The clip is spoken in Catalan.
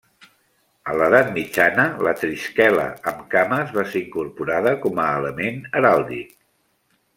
A l’edat mitjana la trisquela amb cames va ser incorporada com a element heràldic.